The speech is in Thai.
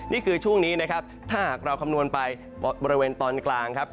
นี่คือช่วงนี้นะครับถ้าหากเราคำนวณไปบริเวณตอนกลางครับ